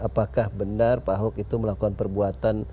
apakah benar pak ahok itu melakukan perbuatan